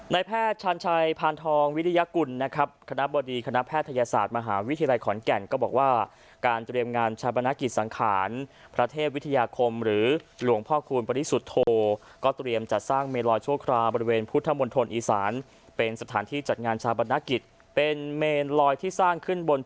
แพทย์ชาญชัยพานทองวิริยกุลนะครับคณะบดีคณะแพทยศาสตร์มหาวิทยาลัยขอนแก่นก็บอกว่าการเตรียมงานชาปนกิจสังขารพระเทพวิทยาคมหรือหลวงพ่อคูณปริสุทธโธก็เตรียมจัดสร้างเมลอยชั่วคราวบริเวณพุทธมณฑลอีสานเป็นสถานที่จัดงานชาปนกิจเป็นเมนลอยที่สร้างขึ้นบน